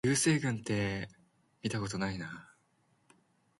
流星群ってみたことないな